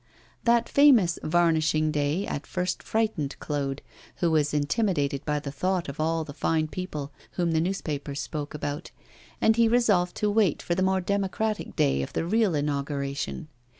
That famous 'varnishing day' at first frightened Claude, who was intimidated by the thought of all the fine people whom the newspapers spoke about, and he resolved to wait for the more democratic day of the real inauguration.